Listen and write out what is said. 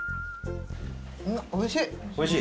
おいしい？